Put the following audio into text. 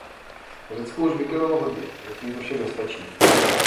Řecko už vykonalo hodně, zatím to však nestačí.